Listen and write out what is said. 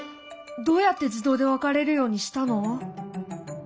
どうやって自動で分かれるようにしたの？